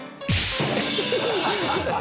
ハハハハ！